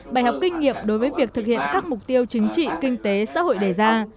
bài học kinh nghiệm đối với việc thực hiện các mục tiêu chính trị kinh tế xã hội đề ra